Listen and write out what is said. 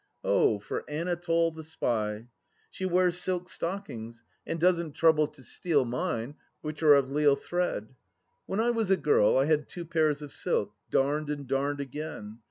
Oh for Anatole, the spy ! She wears silk stockings, and doesn't trouble to steal mine, which are of Lisle thread. When I was a girl I had two pairs of silk, darned and darned again.